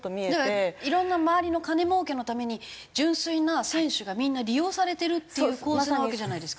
だからいろんな周りの金儲けのために純粋な選手がみんな利用されてるっていう構図なわけじゃないですか。